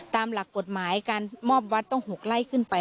ตามหลักกฎหมายการมอบวัดต้อง๖ไล่ขึ้นไป